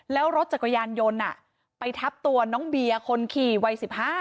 แล้วรถจักรยานยนต์ไปทับตัวน้องเบียร์คนขี่วัย๑๕